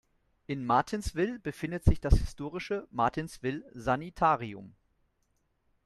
In Martinsville befindet sich das historische "Martinsville Sanitarium".